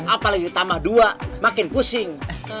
apalagi ditambah dua makin pusing